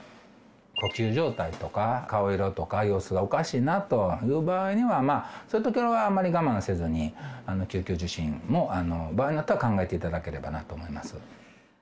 呼吸状態とか、顔色とか、様子がおかしいなという場合には、そういうときはあんまり我慢せずに、救急受診も、場合によっては考えていただければなと思います。